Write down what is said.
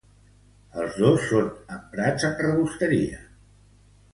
Els dos són emprats en rebosteria.